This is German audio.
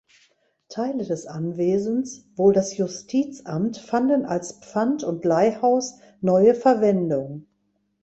Teile des Anwesens, wohl das Justizamt fanden als Pfand- und Leihhaus neue Verwendung.